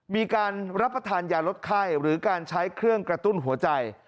มีการรับประทานยาลดไข้หรือการใช้เครื่องกระตุ้นหัวใจ